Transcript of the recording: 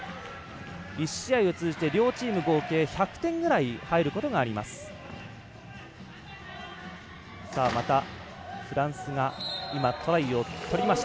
１試合を通じて両チーム合計１００点ぐらい入ることがあります。